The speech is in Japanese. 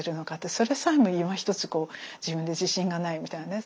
それさえもいまひとつ自分で自信がないみたいな。